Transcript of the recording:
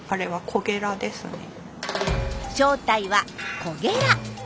正体はコゲラ。